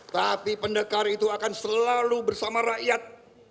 tapi pendekar itu akan selalu bersama rakyat